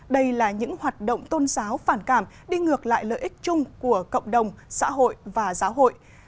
đây là những hoạt động tôn giáo phản cảm đi ngược lại lợi ích chung của cộng đồng xã hội và giáo hội